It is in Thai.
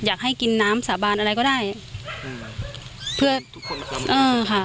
อยากให้กินน้ำสาบานอะไรก็ได้อืมเพื่อทุกคนนะครับเออค่ะ